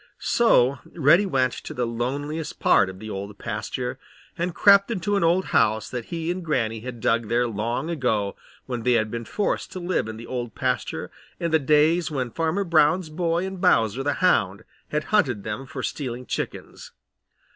So Reddy went to the loneliest part of the Old Pasture and crept into an old house that he and Granny had dug there long ago when they had been forced to live in the Old Pasture in the days when Farmer Brown's boy and Bowser the Hound had hunted them for stealing chickens.